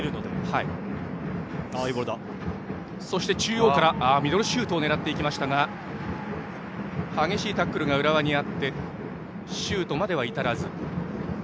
大分、ミドルシュートを狙いましたが激しいタックルが浦和にあってシュートまでは至らず。